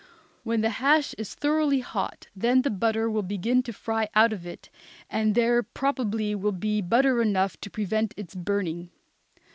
When the hash is thoroughly hot, the butter in it will begin to fry out of it, and there probably will be butter enough to prevent its burning.